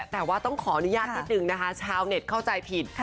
แต่ว่าต้องขออนุญาตหนึ่งชาวเน็ตเข้าใจผิด